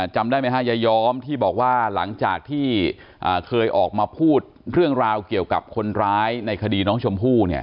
จำได้ไหมฮะยายอมที่บอกว่าหลังจากที่เคยออกมาพูดเรื่องราวเกี่ยวกับคนร้ายในคดีน้องชมพู่